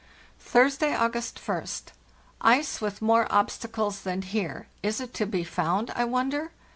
"Thursday, August ist. Ice with more obstacles than here—is it to be found, I wonder?